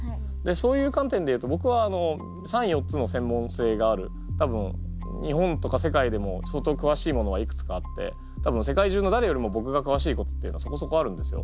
そういう観点で言うと僕は３４つの専門性がある多分日本とか世界でも相当詳しいものはいくつかあって多分世界中の誰よりも僕が詳しいことっていうのはそこそこあるんですよ。